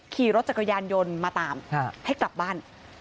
ขี่รถจักรยานยนต์มาตามให้กลับบ้าน